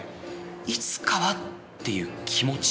「いつかは」っていう気持ち